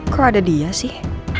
kok ada dia sih